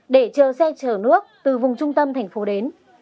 để chờ xe chở nước từ vùng trung tâm thành phố đến